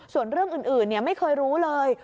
ส่วนเรื่องอื่นไม่เคยรู้เลย